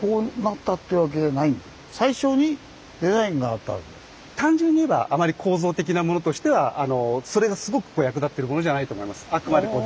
これはその単純にいえばあまり構造的なものとしてはそれがすごく役立ってるものじゃないと思います。